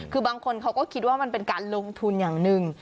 คือบางคนเขาก็คิดว่ามันเป็นการลงทุนอย่างหนึ่ง